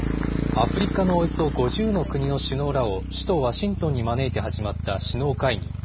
アフリカのおよそ５０の国の首脳らを首都ワシントンに招いて始まった首脳会議。